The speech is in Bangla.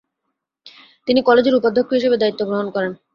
তিনি কলেজের উপাধ্যক্ষ হিসেবে দায়িত্ব গ্রহণ করেন।